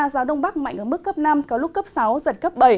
gió đông bắc mạnh ở mức cấp năm có lúc cấp sáu giật cấp bảy